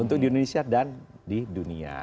untuk di indonesia dan di dunia